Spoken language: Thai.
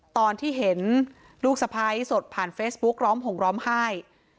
ตอนที่เห็นลูกสะพ้ายสดผ่านเฟซบุ๊กร้องห่มร้องไห้